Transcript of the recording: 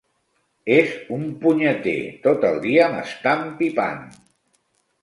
És un punyeter, tot el dia m'està empipant.